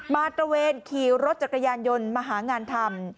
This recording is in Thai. ตระเวนขี่รถจักรยานยนต์มาหางานทำ